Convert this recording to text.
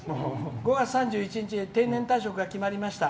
５月３１日で定年退職が決まりました。